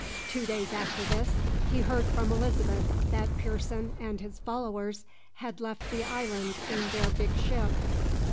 Two days after this he heard from Elizabeth that Pearson and his followers had left the island in their big ship.